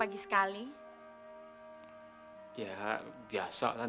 ampuni dosa allah